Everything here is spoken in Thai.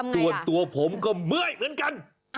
ส่วนตัวผมก็เมื่อยเหมือนกัน